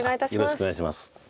よろしくお願いします。